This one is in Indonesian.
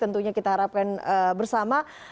tentunya kita harapkan bersama